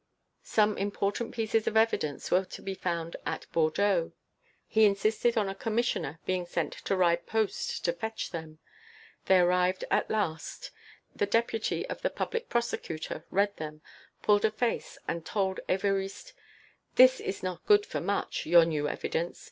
Some important pieces of evidence were to be found at Bordeaux; he insisted on a Commissioner being sent to ride post to fetch them. They arrived at last. The deputy of the Public Prosecutor read them, pulled a face and told Évariste: "It is not good for much, your new evidence!